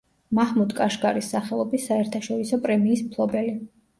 მაჰმუდ კაშგარის სახელობის საერთაშორისო პრემიის მფლობელი.